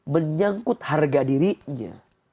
menyangkut harga dirinya